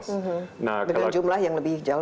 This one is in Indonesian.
dengan jumlah yang lebih jauh